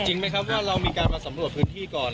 จริงไหมครับว่าเรามีการมาสำรวจพื้นที่ก่อน